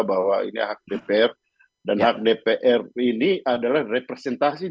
bahwa ini hak dpr dan hak dpr ini adalah rencana yang harus dikawal